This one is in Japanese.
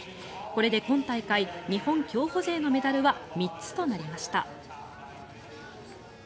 これで今大会日本競歩勢のメダルは３つとなりました。